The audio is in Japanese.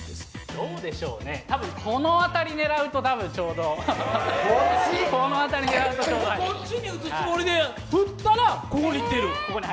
どうでしょうね、多分この辺りを狙うと、多分ちょうどこっちに打つつもりで打ったら、こっちに入ってる？